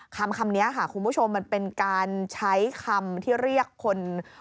คำนี้ค่ะคุณผู้ชมมันเป็นการใช้คำที่เรียกคน